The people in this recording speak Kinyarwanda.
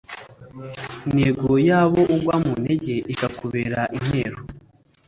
intego y’abo ugwa mu ntege ikakubera intero